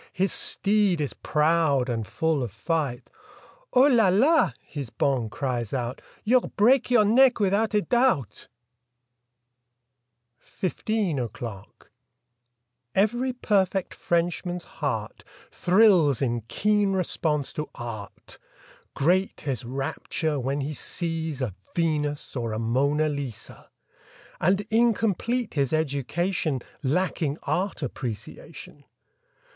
His steed is proud and full of fight. ''Oo la la!" His bonne cries out— "You'll break your neck without a doubt!" 33 . I A FOURTEEN O'CLOCK 35 FIFTEEN O'CLOCK E very perfect Frenchman's heart Thrills in keen response to Art. Great his rapture when he sees a Venus or a Mona Lisa; And incomplete his education Lacking Art Appreciation.